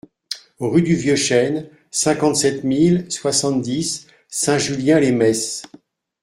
Rue du Vieux Chene, cinquante-sept mille soixante-dix Saint-Julien-lès-Metz